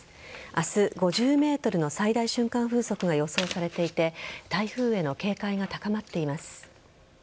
明日５０メートルの最大瞬間風速が予想されていて台風への警戒が高まっています。